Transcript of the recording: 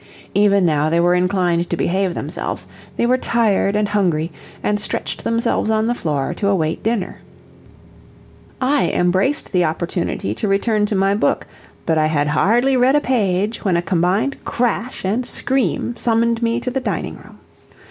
Even now they were inclined to behave themselves; they were tired and hungry, and stretched themselves on the floor, to await dinner. I embraced the opportunity to return to my book, but I had hardly read a page, when a combined crash and scream summoned me to the dining room.